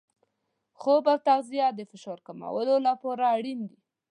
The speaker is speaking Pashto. خوب او تغذیه د فشار کمولو لپاره اړین دي.